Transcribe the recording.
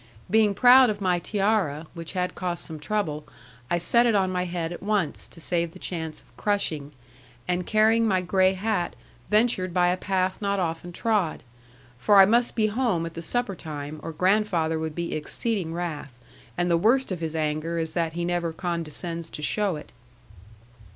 Being proud of my tiara, which had cost some trouble, I set it on my head at once, to save the chance of crushing, and carrying my gray hat, ventured by a path not often trod. For I must be home at the supper time, or grandfather would be exceeding wrath; and the worst of his anger is that he never condescends to show it.